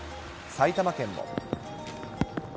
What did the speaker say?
埼玉県も。